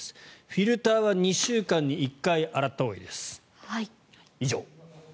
フィルターは２週間に１回洗ったほうがいいです。